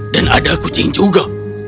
dan ada kucing juga